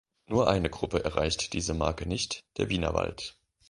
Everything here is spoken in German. Nur eine Gruppe erreicht diese Marke nicht, der Wienerwald.